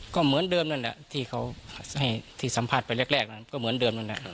ก็เหมือนเดิมนั่นแหละที่เขาให้ที่สัมภาษณ์ไปแรกนั้นก็เหมือนเดิมนั่นแหละ